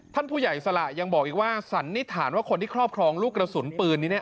ท่านผู้ใหญ่สละยังบอกอีกว่าสันนิษฐานว่าคนที่ครอบครองลูกกระสุนปืนนี้